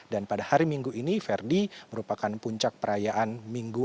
dan pada hari minggu ini verdi merupakan puncak perayaan minggu